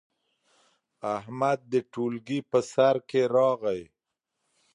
احمد د ټولګي په سر کې راغی.